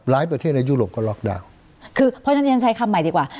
ประเทศในยุโรปก็ล็อกดาวน์คือเพราะฉะนั้นที่ฉันใช้คำใหม่ดีกว่า